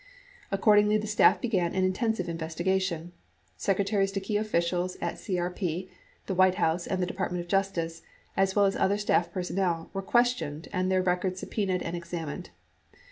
Accordingly, the staff began an intensive investigation. Secretaries to key officials at CRP, the White House and the Department of Jus tice, as well as other staff personnel, were questioned and their records subpenaed and examined.